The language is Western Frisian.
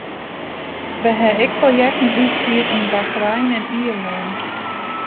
Wy hawwe ek projekten útfierd yn Bachrein en Ierlân.